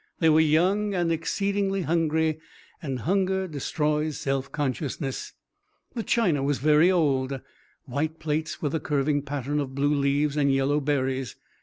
They were young and exceedingly hungry, and hunger destroys self consciousness. The china was very old white plates with a curving pattern of blue leaves and yellow berries.